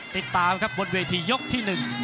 ติดตามครับบนวิธียกที่หนึ่ง